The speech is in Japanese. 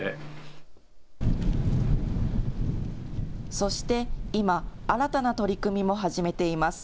そして今、新たな取り組みも始めています。